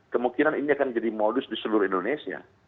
kemungkinan ini akan jadi modus di seluruh indonesia